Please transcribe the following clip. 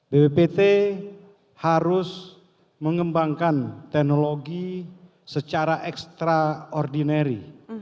bppt harus mengembangkan teknologi secara ekstraordinari